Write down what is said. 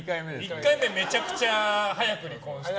１回目めちゃくちゃ早く離婚して。